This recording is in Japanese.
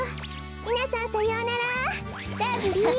みなさんさようならラブリー。